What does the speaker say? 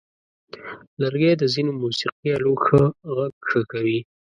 لرګی د ځینو موسیقي آلو غږ ښه کوي.